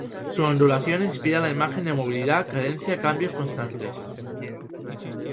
Su ondulación inspira la imagen de movilidad, cadencia, cambios constantes.